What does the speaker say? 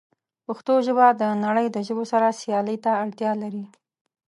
پښتو ژبه د نړۍ د ژبو سره سیالۍ ته اړتیا لري.